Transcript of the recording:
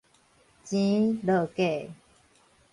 錢落價